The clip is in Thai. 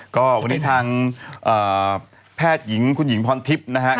ก็วันนี้ทางแพทย์หญิงคุณหญิงพรทิพย์นะฮะ